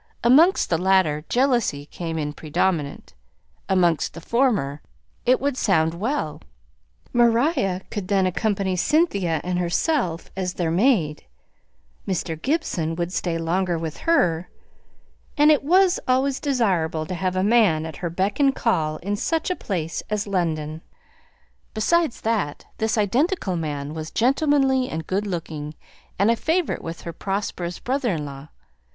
Amongst the latter, jealousy came in predominant. Amongst the former, it would sound well; Maria could then accompany Cynthia and herself as "their maid;" Mr. Gibson would stay longer with her, and it was always desirable to have a man at her beck and call in such a place as London; besides that, this identical man was gentlemanly and good looking, and a favourite with her prosperous brother in law.